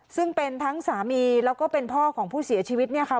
ซึ่งเป็นทั้งสามีแล้วก็เป็นพ่อของผู้เสียชีวิตเนี่ยค่ะ